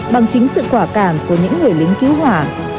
bằng chính sự quả cảm của những người lính cứu hỏa